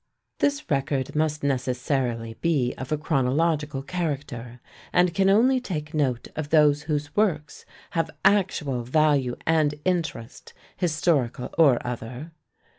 This record must necessarily be of a chronological character, and can only take note of those whose works have actual value and interest, historical or other.